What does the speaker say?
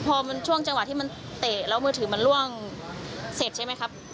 พอมันช่วงจังหวะที่มันเตะแล้วมือถือมันล่วงเสร็จใช่ไหมครับ